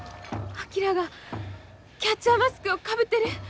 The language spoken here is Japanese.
昭がキャッチャーマスクをかぶってる。